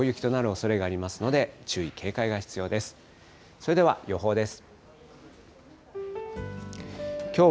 それでは予報です。